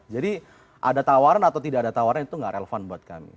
jadi ada tawaran atau tidak ada tawaran itu gak relevan buat kami